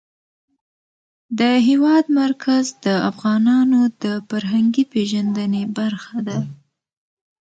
د هېواد مرکز د افغانانو د فرهنګي پیژندنې برخه ده.